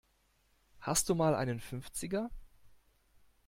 Hast du mal einen Fünfziger?